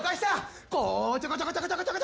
こちょこちょこちょこちょ。